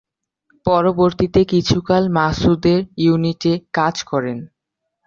পরবর্তীতে কিছুকাল মাসুদের ইউনিটে কাজ করেন।